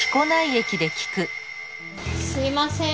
すいません。